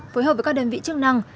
phối hợp với các đơn vị chức năng